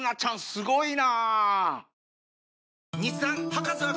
すごいな。